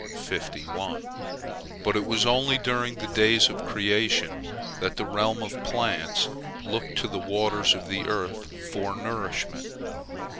But it was only during the days of creation that the realm of plants looked to the waters of the earth for nourishment.